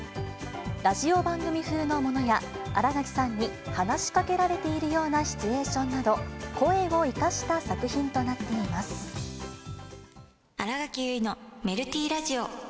ラジオ番組風のものや、新垣さんに話しかけられているようなシチュエーションなど、新垣結衣のメルティーラジオ。